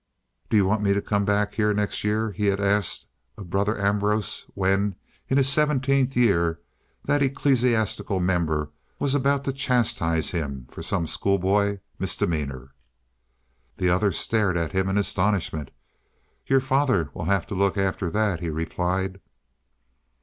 "Do you want me to come back here next year?" he had asked of Brother Ambrose, when, in his seventeenth year, that ecclesiastical member was about to chastise him for some school boy misdemeanor. The other stared at him in astonishment. "Your father will have to look after that," he replied.